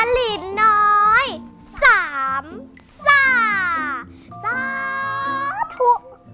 สลิดน้อยสามสาสาธุ